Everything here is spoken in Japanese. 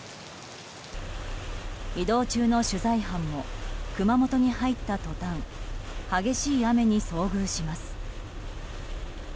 移動中の取材班も熊本に入った途端激しい雨に遭遇します。